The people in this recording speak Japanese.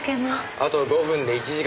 あと５分で１時間。